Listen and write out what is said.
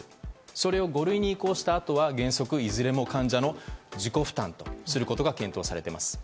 それを５類へ移行したあとは原則いずれも患者の自己負担とすることが検討されています。